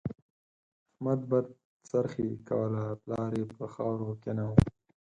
احمد بدخرڅي کوله؛ پلار يې پر خاورو کېناوو.